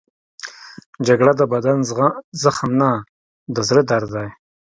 جګړه د بدن زخم نه، د زړه درد دی